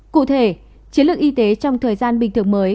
cụ thể chiến lược y tế trong thời gian bình thường mới